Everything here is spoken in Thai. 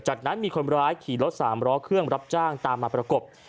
จากนั้นมีคนร้ายขี่รถสามล้อเครื่องรับจ้างตามมาประกบ